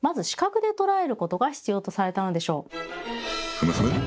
ふむふむ。